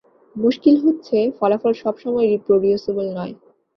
মুশকিল হচ্ছে, ফলাফল সবসময় রিপ্রডিউসিবল নয়।